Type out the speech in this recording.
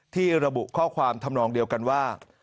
ที่ระบุข้อความทำนองเดียวกันว่า